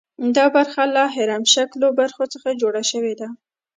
دا برخه له هرم شکلو برخو څخه جوړه شوې ده.